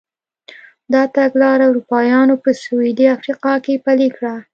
دا تګلاره اروپایانو په سوېلي افریقا کې پلې کړه.